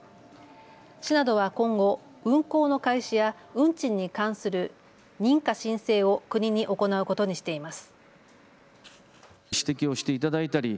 市などは今後、運行の開始や運賃に関する認可申請を国に行うことにしています。